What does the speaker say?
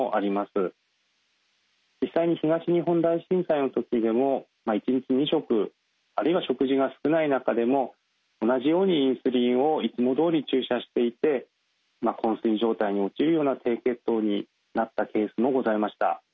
実際に東日本大震災の時でも１日２食あるいは食事が少ない中でも同じようにインスリンをいつもどおり注射していてこん睡状態に陥るような低血糖になったケースもございました。